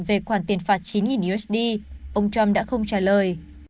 về khoản tiền phạt chín usd ông trump đã không trả lời